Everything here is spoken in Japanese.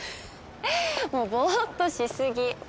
もうぼっとし過ぎ。